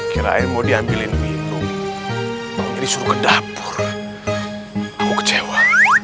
kira kira mau diambilin minum disuruh ke dapur aku kecewa